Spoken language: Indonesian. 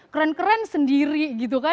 keren keren sendiri gitu kan